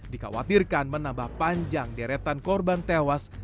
dikhawatirkan menambah panjang deretan korban tewas